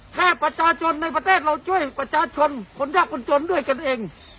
ถ้าประชาชนในประเทศเราช่วยประชาชนคนยากคนจนด้วยกันเอง